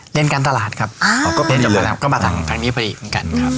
เรียนการตลาดครับก็มาทางนี้พอดีเหมือนกันครับ